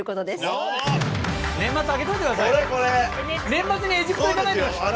年末にエジプト行かないでくださいね？